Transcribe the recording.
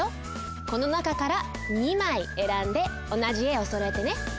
この中から２まいえらんでおなじえをそろえてね。